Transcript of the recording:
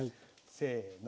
せの！